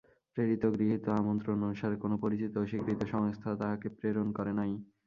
প্রেরিত ও গৃহীত আমন্ত্রণ অনুসারে কোন পরিচিত ও স্বীকৃত সংস্থা তাঁহাকে প্রেরণ করে নাই।